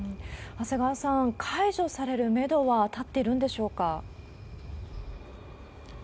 長谷川さん、解除されるメドは立っているんでしょうか？